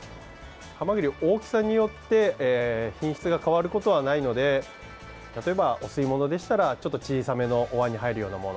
ハマグリ、大きさによって品質が変わることはないので例えば、お吸い物でしたらちょっと小さめのおわんに入るようなもの